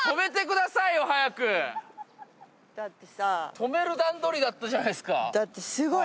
止める段取りだったじゃないですか。